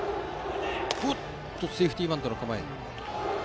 セーフティーバントの構えでした。